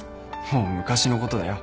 もう昔のことだよ。